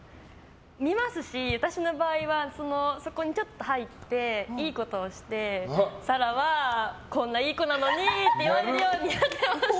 見ますし、私の場合はそこにちょっと入っていいことをして紗来は、こんないい子なのにって言われるようにやってました。